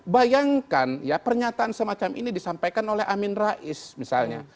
bayangkan ya pernyataan semacam ini disampaikan oleh amin rais misalnya